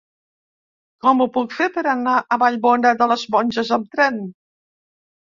Com ho puc fer per anar a Vallbona de les Monges amb tren?